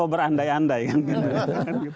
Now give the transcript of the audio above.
berandai andai kan gitu